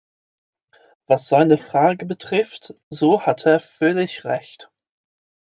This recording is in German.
Was seine Frage betrifft, so hat er völlig recht.